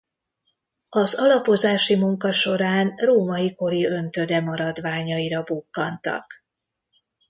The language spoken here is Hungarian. Az alapozási munka során római kori öntöde maradványaira bukkantak.